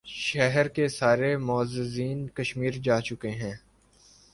شہر کے سارے معززین کشمیر جا چکے ہیں۔